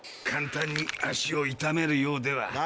簡単に足を痛めるようでは。